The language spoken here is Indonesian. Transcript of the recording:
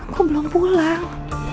kok belum pulang